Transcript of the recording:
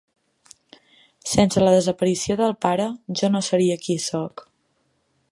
Sense la desaparició del pare jo no seria qui sóc.